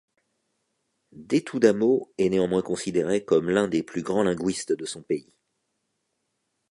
Detudamo est néanmoins considéré comme l'un des plus grands linguistes de son pays.